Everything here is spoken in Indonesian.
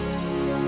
mereka juga akan